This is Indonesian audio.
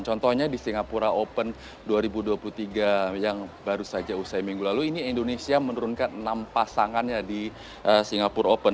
contohnya di singapura open dua ribu dua puluh tiga yang baru saja usai minggu lalu ini indonesia menurunkan enam pasangannya di singapura open